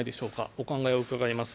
お考えを伺います。